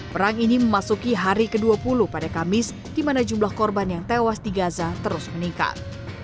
perang ini memasuki hari ke dua puluh pada kamis di mana jumlah korban yang tewas di gaza terus meningkat